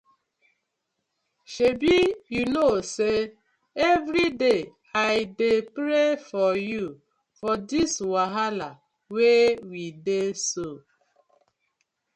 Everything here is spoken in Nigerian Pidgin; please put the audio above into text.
Shebi yu kno say everyday I dey pray for yu for this wahala wey we dey so.